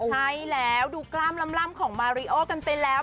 ใช่แล้วดูกล้ามล่ำของมาริโอกันไปแล้ว